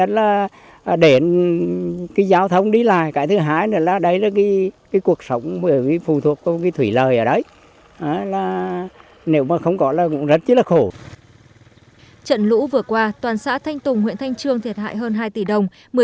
trận lũ vừa qua toàn xã thanh tùng huyện thanh trương thiệt hại hơn hai tỷ đồng